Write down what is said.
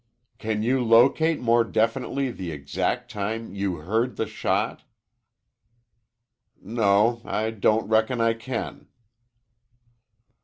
"Can you locate more definitely the exact time you heard the shot?" "No, I don't reckon I can."